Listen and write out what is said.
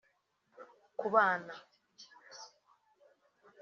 ku bana